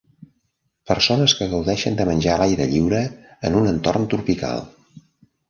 Persones que gaudeixen de menjar a l'aire lliure en un entorn tropical